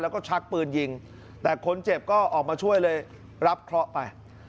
แล้วก็ชักปืนยิงแต่คนเจ็บก็ออกมาช่วยเลยรับเคราะห์ไป